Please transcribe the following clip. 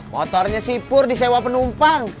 motornya sih pur di sewa penumpang